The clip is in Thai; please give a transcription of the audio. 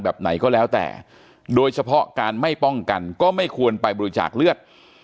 แบบไหนก็แล้วแต่โดยเฉพาะการไม่ป้องกันก็ไม่ควรไปบริจาคเลือด